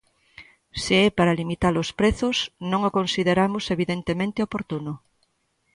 Se é para limitar os prezos, non o consideramos evidentemente oportuno.